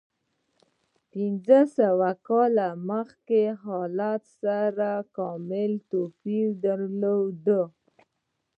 د پنځه سوه کاله مخکې حالت سره کاملا توپیر درلود.